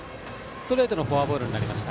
ストレートのフォアボールになりました。